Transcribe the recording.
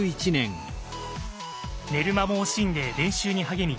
寝る間も惜しんで練習に励み